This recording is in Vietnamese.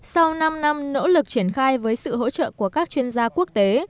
sau năm năm nỗ lực triển khai với sự hỗ trợ của các chuyên gia quốc tế